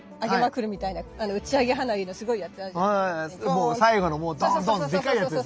もう最後のドンドンってでかいやつですね。